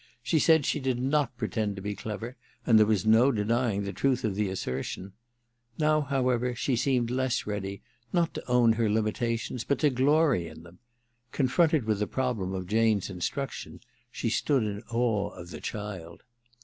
She said she did not pretend to be clever, and there was no denying the truth of the assertion. Now, how ever, she seemed less ready, not to own her limitations, but to glory in them. G>nfronted with the problem or Jane's instruction she stood in awe of^ the child.